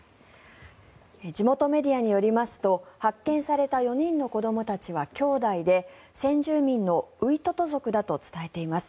地元メディアによりますと発見された４人の子どもたちはきょうだいで先住民のウイトト族だと伝えています。